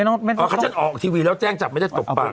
เพราะเขาจะออกทีวีแล้วแจ้งจับไม่ได้ตบปาก